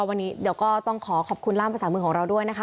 วันนี้เดี๋ยวก็ต้องขอขอบคุณล่ามภาษามือของเราด้วยนะคะ